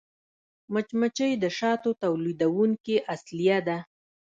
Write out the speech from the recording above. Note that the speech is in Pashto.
مچمچۍ د شاتو تولیدوونکې اصلیه ده